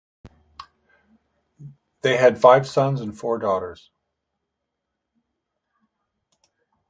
They had five sons and four daughters.